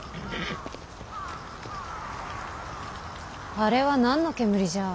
あれは何の煙じゃ？